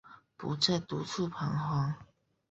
不再独自徬惶